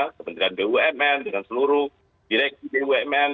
kementerian bumn dengan seluruh direksi bumn